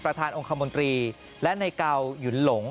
ประธานองค์คมนตรีและในเก่าหยุนหลง